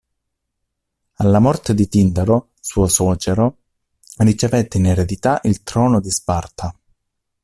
Alla morte di Tindaro, suo suocero, ricevette in eredità il trono di Sparta.